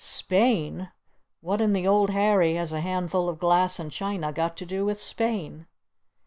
"Spain? What in the Old Harry has a handful of glass and china got to do with Spain?"